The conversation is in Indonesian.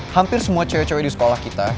hampir semua cewek cewek di sekolah kita